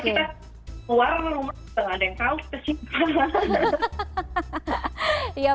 karena kita keluar rumah kita enggak ada yang tahu kita simpan